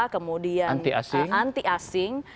kemudian anti asing